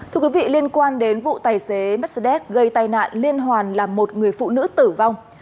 thưa quý vị liên quan đến vụ tài xế mercedes gây tai nạn liên hoàn là một người phụ nữ tử vong